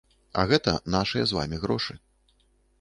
А гэта нашыя з вамі грошы.